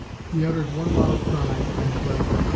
He uttered one loud cry and fled.